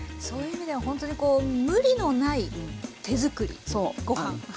そういう意味ではほんとにこう無理のない手作りごはん。